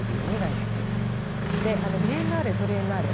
ビエンナーレトリエンナーレ